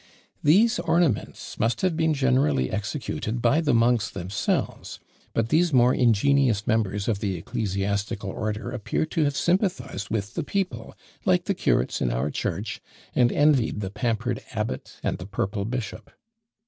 These ornaments must have been generally executed by the monks themselves; but these more ingenious members of the ecclesiastical order appear to have sympathised with the people, like the curates in our church, and envied the pampered abbot and the purple bishop.